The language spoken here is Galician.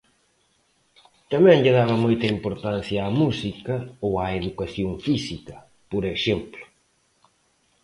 Tamén lle daba moita importancia á música ou á educación física, por exemplo.